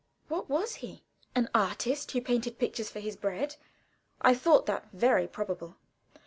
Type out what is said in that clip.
What was he? An artist who painted pictures for his bread? I thought that very probable.